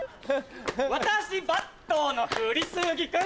私バットの振り過ぎ君